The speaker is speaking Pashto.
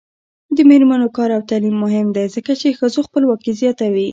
د میرمنو کار او تعلیم مهم دی ځکه چې ښځو خپلواکي زیاتوي.